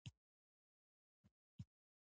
هغې په ژړغوني غږ وويل.